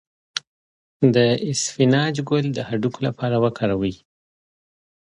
د اسفناج ګل د هډوکو لپاره وکاروئ